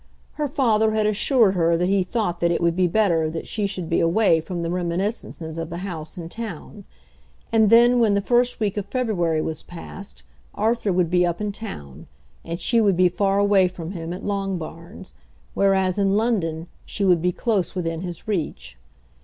Her father had assured her that he thought that it would be better that she should be away from the reminiscences of the house in town. And then when the first week of February was past Arthur would be up in town, and she would be far away from him at Longbarns, whereas in London she would be close within his reach.